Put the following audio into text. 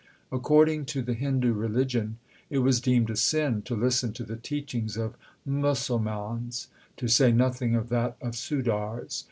According to the Hindu religion it was deemed a sin to listen to the teaching of Musalmans, to say nothing of that of Sudars.